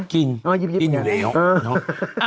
กินอยู่แล้วกินอยู่แล้วกินอยู่แล้ว